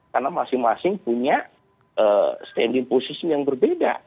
karena masing masing punya standing position yang berbeda